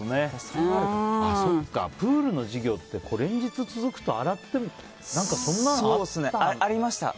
プールの授業って連日続くと洗っても、そんなのあったよね。